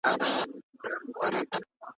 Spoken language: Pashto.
دا ټول د تجربې برخې دي.